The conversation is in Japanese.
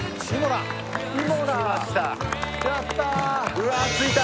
うわっ着いた！